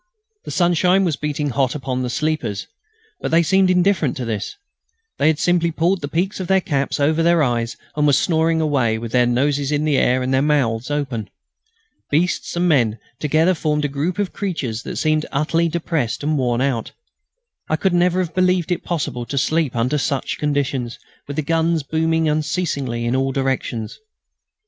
The sunshine was beating hot upon the sleepers, but they seemed indifferent to this. They had simply pulled the peaks of their caps over their eyes and were snoring away, with their noses in the air and their mouths open. Beasts and men together formed a group of creatures that seemed utterly depressed and worn out. I could never have believed it possible to sleep under such conditions, with the guns booming unceasingly in all directions.